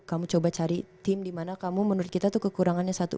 kamu coba cari tim dimana kamu menurut kita tuh kekurangannya satu